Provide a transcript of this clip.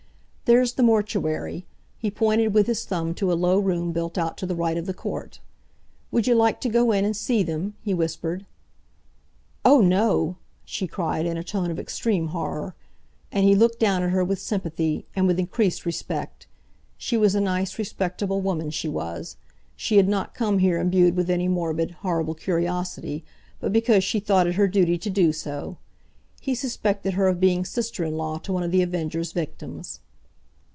"There's the mortuary"—he pointed with his thumb to a low room built out to the right of the court. "Would you like to go in and see them?" he whispered. "Oh, no!" she cried, in a tone of extreme horror. And he looked down at her with sympathy, and with increased respect. She was a nice, respectable woman, she was. She had not come here imbued with any morbid, horrible curiosity, but because she thought it her duty to do so. He suspected her of being sister in law to one of The Avenger's victims.